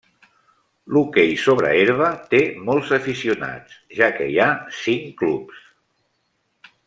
L'hoquei sobre herba té molts aficionats, ja que hi ha cinc clubs.